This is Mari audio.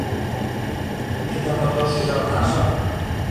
Тиде мотор шӱжарнажым